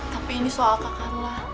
tapi ini soal kak carla